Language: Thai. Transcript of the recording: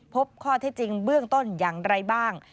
พบข้อเท็จจริงเบื้องต้นอย่างไรบ้าง